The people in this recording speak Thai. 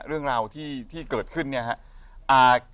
เรื่องราวที่เกิดขึ้นเนี่ยครับ